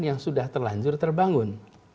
yang sudah terlanjur terbangun